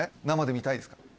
生で見たいですか？